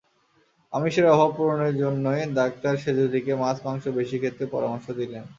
আমিষের অভাব পূরণের জন্যই ডাক্তার সেঁজুতিকে মাছ, মাংস বেশি খেতে পরামর্শ দিলেন।